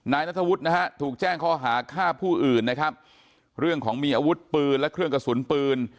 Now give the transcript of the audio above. นัทธวุฒินะฮะถูกแจ้งข้อหาฆ่าผู้อื่นนะครับเรื่องของมีอาวุธปืนและเครื่องกระสุนปืน